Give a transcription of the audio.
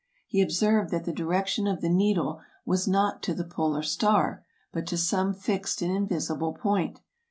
He observed that the di rection of the needle was not to the polar star, but to some fixed and invisible point.